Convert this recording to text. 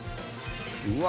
うわ。